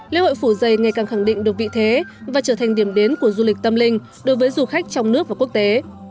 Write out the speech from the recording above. lễ hội phủ dây ngày càng khẳng định được vị thế và trở thành điểm đến của du lịch tâm linh đối với du khách trong nước và quốc tế